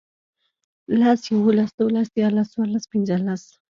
لس، يوولس، دوولس، ديارلس، څوارلس، پينځلس